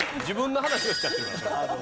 自分の話をしちゃってるから。